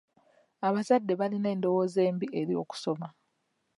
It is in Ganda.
Abazadde balina endowooza embi eri okusoma.